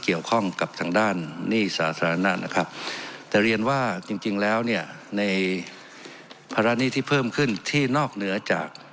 ขึ้นที่นอกเหนือจาก